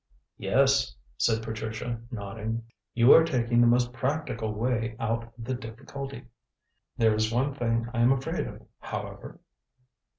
"Yes," said Patricia, nodding. "You are taking the most practical way out of the difficulty. There is one thing I am afraid of, however?"